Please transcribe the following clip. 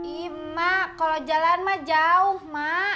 ih mak kalo jalan mak jauh mak